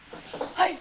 はい！